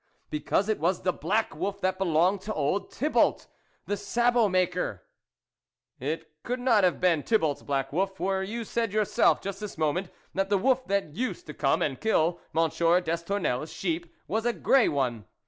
" Because it was the black wolf that belonged to old Thibault, the sabot maker." ~" It could not have been Thibault's black wolf, for you said yourself just this moment that the wolf that used to come and kill M. Destournelles* sheep was a grey one."